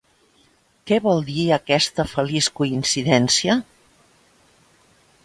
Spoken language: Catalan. Què vol dir aquesta feliç coincidència?